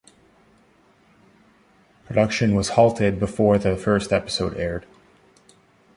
Production was halted before the first episode aired.